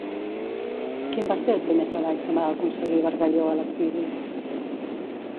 Quin va ser el primer treball que va aconseguir Bargalló a l'exili?